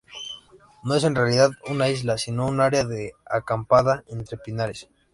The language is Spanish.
No es en realidad una isla, sino un área de acampada entre pinares.